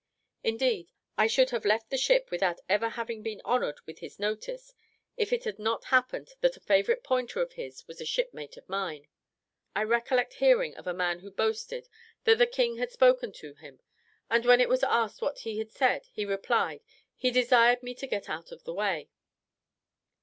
Indeed, I should have left the ship without ever having been honoured with his notice, if it had not happened, that a favourite pointer of his was a shipmate of mine. I recollect hearing of a man who boasted that the king had spoken to him; and when it was asked what he had said, replied, "He desired me to get out of his way."